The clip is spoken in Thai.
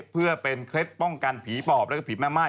เพื่อเป็นเคล็ดป้องกันผีปอบแล้วก็ผีแม่ม่าย